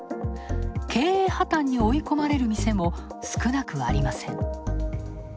経営破綻に追い込まれる店も少なくありません。